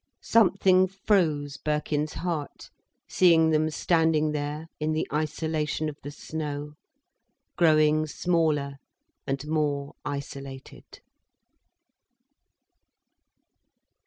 Something froze Birkin's heart, seeing them standing there in the isolation of the snow, growing smaller and more isolated.